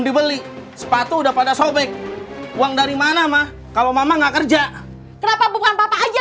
dibeli sepatu udah pada sobek uang dari mana mah kalau mama nggak kerja kenapa bukan papa aja